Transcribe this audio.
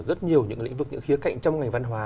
rất nhiều những lĩnh vực những khía cạnh trong ngành văn hóa